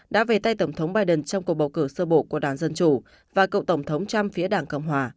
đã về tay tổng thống biden trong cuộc bầu cử sơ bộ của đảng dân chủ và cựu tổng thống trump phía đảng cộng hòa